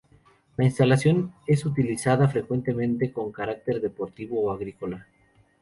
La instalación es utilizada frecuentemente con carácter deportivo o agrícola.